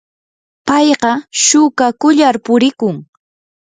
payqa shuukakullar purikun.